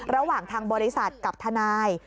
ระหว่างทางบริษัทกับทนาย